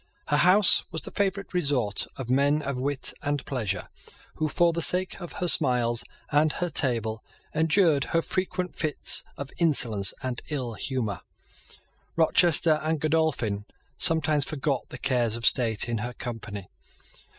Her house was the favourite resort of men of wit and pleasure, who, for the sake of her smiles and her table, endured her frequent fits of insolence and ill humour. Rochester and Godolphin sometimes forgot the cares of state in her company.